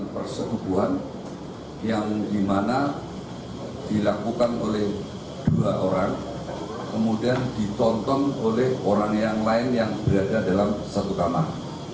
persekubuhan yang dimana dilakukan oleh dua orang kemudian ditonton oleh orang yang lain yang berada dalam satu kamar